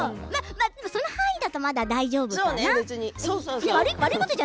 その範囲だとまだ大丈夫かな。